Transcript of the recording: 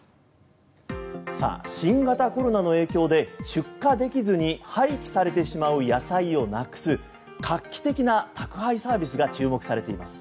新型コロナの影響で出荷できずに廃棄されてしまう野菜をなくす画期的な宅配サービスが注目されています。